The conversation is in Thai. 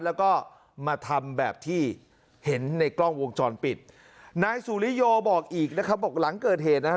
แล้วก็มาทำแบบที่เห็นในกล้องวงจรปิดนายสุริโยบอกอีกนะครับบอกหลังเกิดเหตุนะครับ